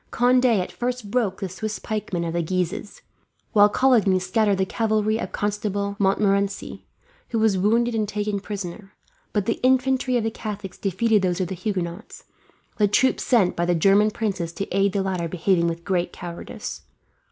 Conde at first broke the Swiss pikemen of the Guises, while Coligny scattered the cavalry of Constable Montmorency, who was wounded and taken prisoner; but the infantry of the Catholics defeated those of the Huguenots, the troops sent by the German princes to aid the latter behaving with great cowardice.